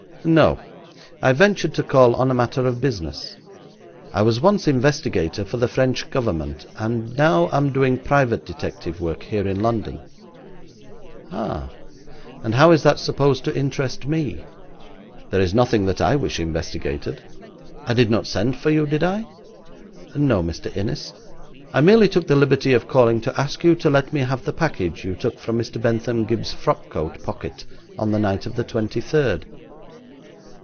'No. I ventured to call on a matter of business. I was once investigator for the French Government, and now am doing private detective work here in London.' 'Ah! And how is that supposed to interest me? There is nothing that I wish investigated. I did not send for you, did I?' 'No, Mr. Innis, I merely took the liberty of calling to ask you to let me have the package you took from Mr. Bentham Gibbes's frock coat pocket on the night of the twenty third.'